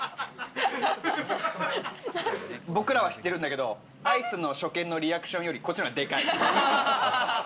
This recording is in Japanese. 僕らは知ってるんだけど、アイスの初見のリアクションより、こっちのがでかい。